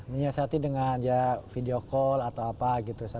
menyiasati dengan ya video call atau apa gitu